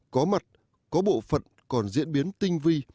có mặt có bộ phận còn diễn biến tinh vi